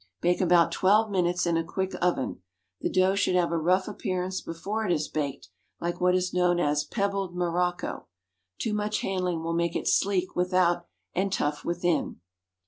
Bake about twelve minutes in a quick oven. The dough should have a rough appearance before it is baked, like what is known as "pebbled morocco." Too much handling will make it sleek without and tough within.